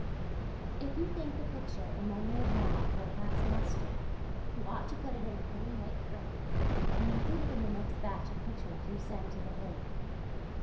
If you think the picture "In Memory of Mauve" will pass muster, you ought to put it in a plain white frame and include it in the next batch of pictures you send to the Hague.